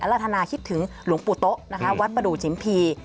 อะระทนะคิดถึงหลงปุต๊ะเวทราธิบิเจมส์พี่